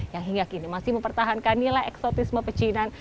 yang hingga kini masih mempertahankan nilai eksotisme pecinan